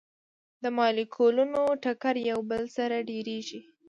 د مالیکولونو ټکر یو بل سره ډیریږي.